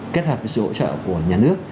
kết hợp với sự hỗ trợ của nhà nước